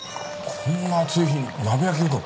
こんな暑い日に鍋焼きうどん！？